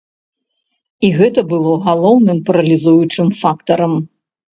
І гэта было галоўным паралізуючым фактарам.